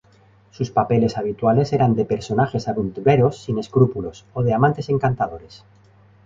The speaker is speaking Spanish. Sus papeles habituales eran de personajes aventureros sin escrúpulos, o de amantes encantadores.